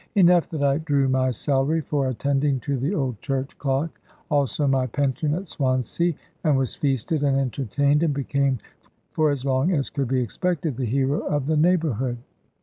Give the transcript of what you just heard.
Enough that I drew my salary for attending to the old church clock, also my pension at Swansea, and was feasted and entertained, and became for as long as could be expected the hero of the neighbourhood.